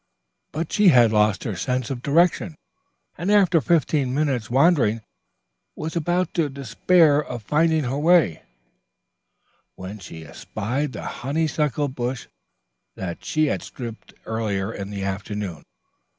But she had lost her sense of direction, and after fifteen minutes' wandering was about to despair of finding her way, when she espied the honeysuckle bush that she had stripped earlier in the afternoon.